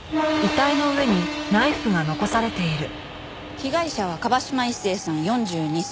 被害者は椛島一生さん４２歳。